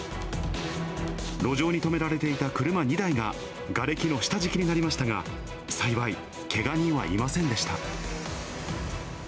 路上に止められていた車２台ががれきの下敷きになりましたが、幸い、けが人はいませんでした。